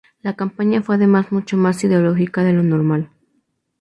La campaña fue además mucho más ideológica de lo normal.